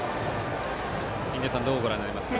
印出さん、どうご覧になりますか。